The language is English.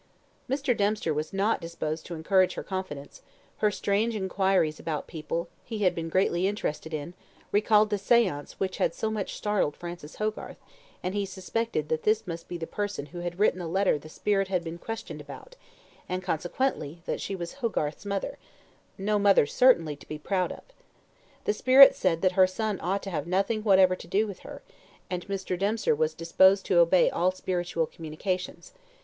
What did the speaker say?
Mr. Dempster was not disposed to encourage her confidence; her strange inquiries about people he had been greatly interested in, recalled the seance which had so much startled Francis Hogarth, and he suspected that this must be the person who had written the letter the spirit had been questioned about, and, consequently, that she was Hogarth's mother; no mother, certainly, to be proud of! The spirit said that her son ought to have nothing whatever to do with her, and Mr. Dempster was disposed to obey all spiritual communications.